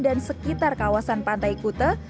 dan sekitar kawasan pantai kuta